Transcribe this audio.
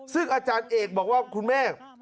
ซึ่งอาจารย์เอกบอกว่าคุณเมฆ